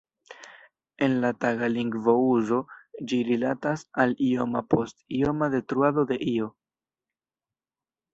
En la taga lingvouzo ĝi rilatas al ioma post ioma detruado de io.